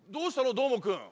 どーもくん。